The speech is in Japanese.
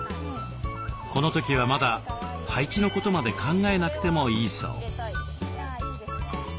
この時はまだ配置のことまで考えなくてもいいそう。